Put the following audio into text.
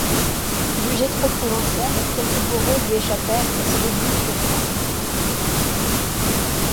Jugé trop provincial, quelques beaux rôles lui échappèrent et ses débuts furent ternes.